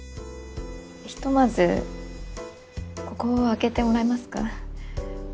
ひとまずここを開けてもらえますか？